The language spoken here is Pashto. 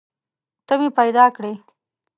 ته مې پیدا کړي